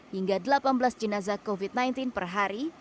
hingga delapan belas jenazah covid sembilan belas per hari